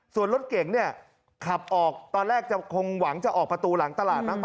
ส่วนรถเก่งเนี่ยขับออกตอนแรกจะคงหวังจะออกประตูหลังตลาดบ้างป